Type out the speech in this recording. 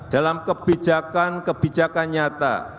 dalam kebijakan kebijakan nyata